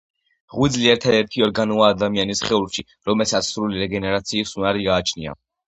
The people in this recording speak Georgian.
ღვიძლი ერთადერთი ორგანოა ადამიანის სხეულში, რომელსაც სრული რეგენერაციის უნარი გააჩნია.